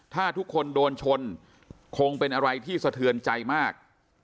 ถ้าทุกคนโดนชนคงเป็นอะไรที่สะเทือนใจมาก